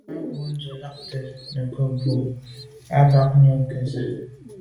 A bwô ndù be lagte nukebwô yub à ba nu ke ze.